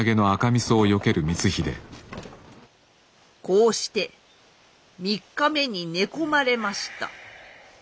こうして３日目に寝込まれました。